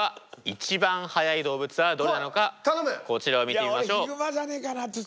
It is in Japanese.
一番速い動物はどれなのかこちらを見てみましょう。